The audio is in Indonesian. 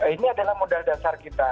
ini adalah modal dasar kita